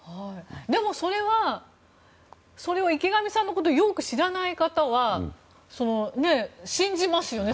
でも、それは池上さんのことをよく知らない方は信じますよね。